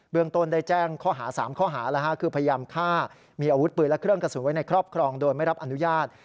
เมืองต้นได้แจ้งข้อหา๓ข้อหาคือพยายามฆ่ามีอาวุธปืนและเครื่องกระสุนไว้ในครอบครองโดยไม่รับอนุญาต